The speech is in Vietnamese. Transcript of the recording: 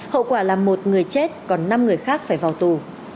hậu quả là một người chết còn năm người khác phải vào tù